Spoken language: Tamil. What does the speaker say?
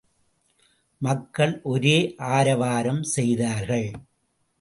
மக்கள் ஒரே ஆரவாரம் செய்தார்கள்.